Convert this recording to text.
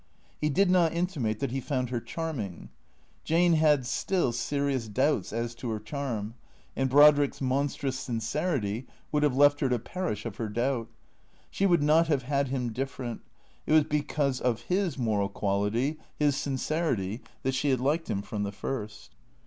He did not intimate that he found her charming. Jane had still serious doubts as to her charm, and Brodrick's monstrous sincerity would have left her to perish of her doubt. She would not have had him different. It was because of his moral qual ity, his sincerity, that she had liked him from the first.